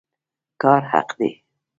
کار حق دی